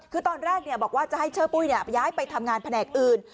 คือตอนแรกบอกว่าจะให้เชอร์ปุ้ยย้ายไปทำงานแผนกอื่น